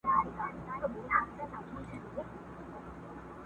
پر سرو شونډو به دي ګراني، پېزوان وي، او زه به نه یم!!